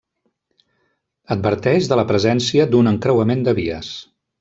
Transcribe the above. Adverteix de la presència d'un encreuament de vies.